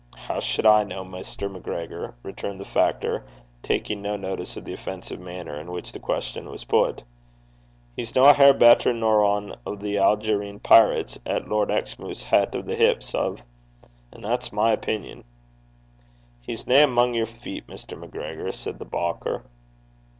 'How should I know, Mr. MacGregor?' returned the factor, taking no notice of the offensive manner in which the question was put. 'He's no a hair better nor ane o' thae Algerine pirates 'at Lord Exmooth's het the hips o' and that's my opingon.' 'He's nae amo' your feet, MacGregor,' said the banker.